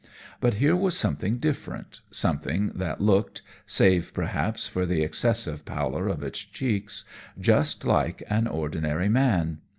But here was something different, something that looked save, perhaps, for the excessive pallor of its cheeks just like an ordinary man.